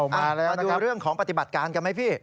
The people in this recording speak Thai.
มาดูเรื่องของปฏิบัติการกันไหมพี่